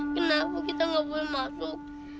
kenapa kita nggak boleh masuk